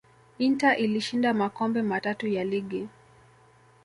inter ilishinda makombe matatu ya ligi